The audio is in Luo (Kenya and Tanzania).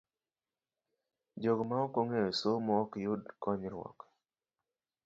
Jogo ma ok ong'eyo somo ok yud konyruok.